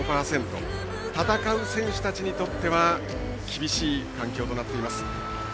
戦う選手たちにとっては厳しい環境となっています。